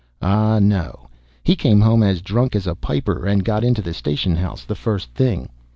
Ah, no; he came home as drunk as a piper, and got into the station house the first thing.